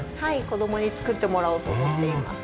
子供に作ってもらおうと思っています。